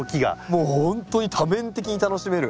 もうほんとに多面的に楽しめる。